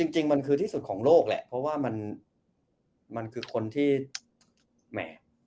จริงมันคือที่สุดของโลกแหละเพราะว่ามันคือคนที่แหม่